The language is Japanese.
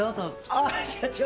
あっ社長。